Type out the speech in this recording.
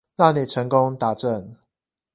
讓你成功達陣